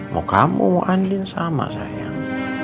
mau kamu mau andin sama sayang